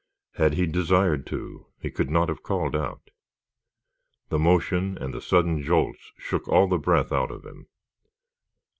Had he desired to he could not have called out. The motion and the sudden jolts shook all the breath out of him.